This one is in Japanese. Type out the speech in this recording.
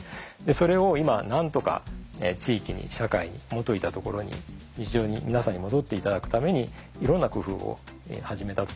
それを今なんとか地域に社会に元いたところに日常に皆さんに戻って頂くためにいろんな工夫を始めたところかなと思います。